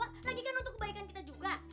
lagi kan untuk kebaikan kita juga